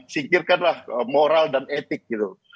singkirkan lah moral dan etik itu